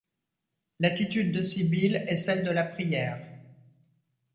L'attitude de Sybille est celle de la prière.